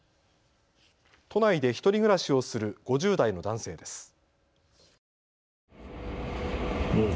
都内で１人暮らしをする５０代の男性です。